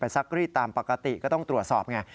ซักรีดตามปกติก็ต้องตรวจสอบไง